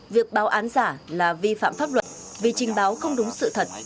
việc báo án giả là vi phạm pháp luật vì trình báo không đúng sự thật